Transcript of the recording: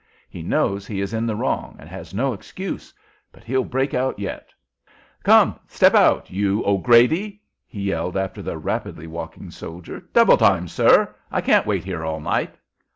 "He knows he is in the wrong and has no excuse; but he'll break out yet. Come! step out, you O'Grady!" he yelled after the rapidly walking soldier. "Double time, sir. I can't wait here all night."